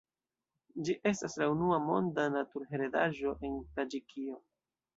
Ĝi estas la unua Monda Naturheredaĵo en Taĝikio.